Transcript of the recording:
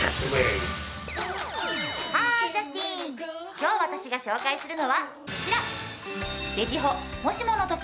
今日私が紹介するのはこちら！